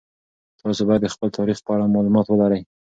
تاسو باید د خپل تاریخ په اړه مالومات ولرئ.